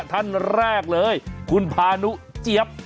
ท่านแรกเลยคุณพานุเจี๊ยบ